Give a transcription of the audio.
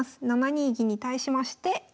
７二銀に対しまして。